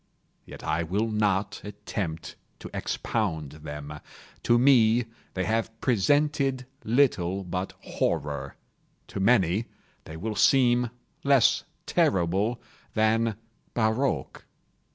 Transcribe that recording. Yet I will not attempt to expound them. To me, they have presented little but horror—to many they will seem less terrible than barroques.